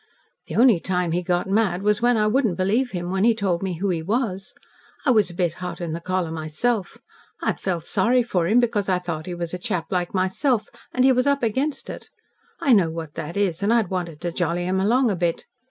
"The only time he got mad was when I wouldn't believe him when he told me who he was. I was a bit hot in the collar myself. I'd felt sorry for him, because I thought he was a chap like myself, and he was up against it. I know what that is, and I'd wanted to jolly him along a bit.